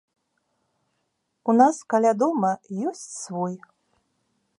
У нас каля дома ёсць свой.